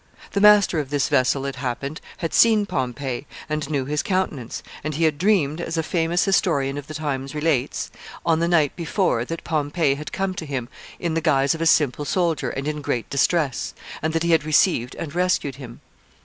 The master of this vessel, it happened, had seen Pompey, and knew his countenance, and he had dreamed, as a famous historian of the times relates, on the night before, that Pompey had come to him hi the guise of a simple soldier and in great distress, and that he had received and rescued him.